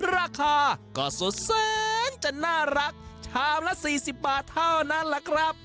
ราคาก็สุดแสนจะน่ารักชามละ๔๐บาทเท่านั้นแหละครับ